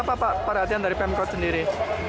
apa pak perhatian dari pemkot sendiri